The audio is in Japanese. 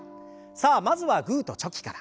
さあまずはグーとチョキから。